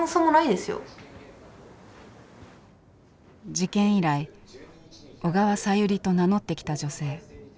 事件以来「小川さゆり」と名乗ってきた女性。